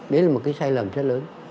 đấy là một cái sai lầm rất lớn